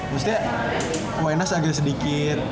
maksudnya wainas agak sedikit